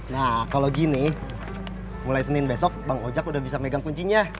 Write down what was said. nah kalau gini mulai senin besok bang ojek udah bisa megang kuncinya